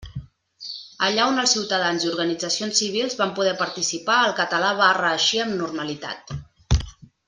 Allà on els ciutadans i organitzacions civils vam poder participar, el català va reeixir amb normalitat.